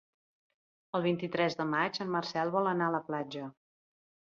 El vint-i-tres de maig en Marcel vol anar a la platja.